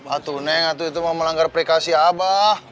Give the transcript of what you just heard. aduh neng itu mau melanggar prekasi abah